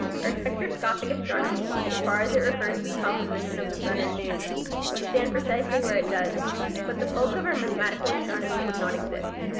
Our spectroscopic astronomy so far as it refers to the composition of the sun and moon would stand precisely where it does, but the bulk of our mathematical astronomy would not exist.